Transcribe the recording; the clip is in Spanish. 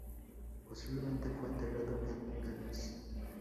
Posiblemente fue enterrado en Tanis.